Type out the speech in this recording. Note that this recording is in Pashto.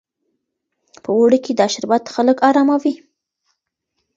په اوړي کې دا شربت خلک اراموي.